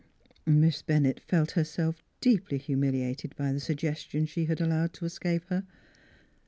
Miss BenTiett felt herself deeply humiliated by the suggestion she had allowed to escape her.